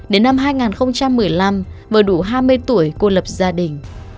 đến năm hai nghìn một mươi năm vừa đủ hai mươi tuổi cô lập gia đình